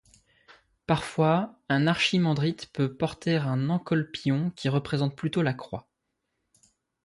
Parfois un archimandrite peut porter un encolpion qui représente plutôt la Croix.